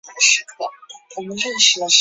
尖尾银鳞蛛为肖峭科银鳞蛛属的动物。